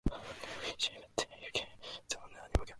禅智内供の鼻と云えば、池の尾で知らない者はない。